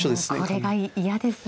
これが嫌ですね。